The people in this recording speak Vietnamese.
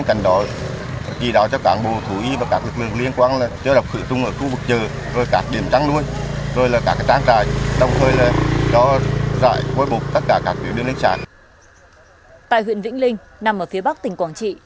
tại huyện vĩnh linh nằm ở phía bắc tỉnh quảng trị